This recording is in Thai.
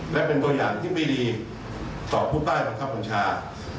และเป็นตัวอย่างที่ไม่ดีต่อผู้ใต้บังคับบัญชา